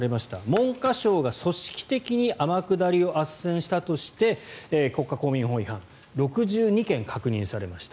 文科省が組織的に天下りをあっせんしたとして国家公務員法違反。６２件確認されました。